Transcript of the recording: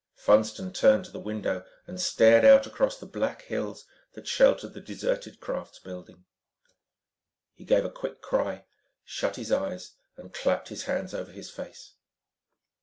Funston turned to the window and stared out across the black hills that sheltered the deserted crafts building. He gave a quick cry, shut his eyes and clapped his hands over his face.